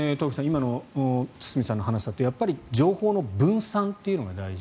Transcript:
今の堤さんの話だとやっぱり情報の分散というのが大事。